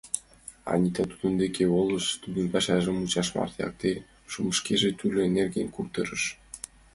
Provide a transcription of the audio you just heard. Анита тудын деке волыш, тудын пашажым мучаш марте шуктымешкыже тӱрлӧ нерген кутырыш.